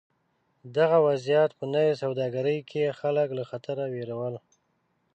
دغه وضعیت په نوې سوداګرۍ کې خلک له خطره وېرول.